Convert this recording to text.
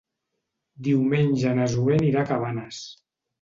Diumenge na Zoè anirà a Cabanes.